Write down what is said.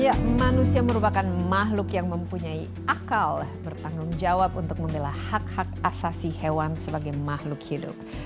ya manusia merupakan makhluk yang mempunyai akal bertanggung jawab untuk membela hak hak asasi hewan sebagai makhluk hidup